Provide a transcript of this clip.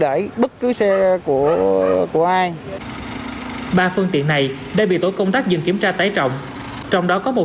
đẩy bất cứ xe của ai ba phương tiện này đã bị tối công tác dừng kiểm tra tái trọng trong đó có một